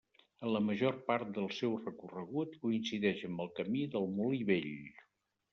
En la major part del seu recorregut coincideix amb el Camí del Molí Vell.